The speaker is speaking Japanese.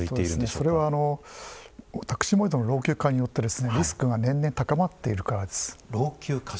それは、宅地の老朽化によってリスクが年々、高まっているからです。